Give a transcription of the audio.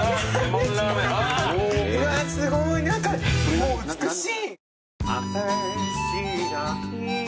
うわすごい何かもう美しい。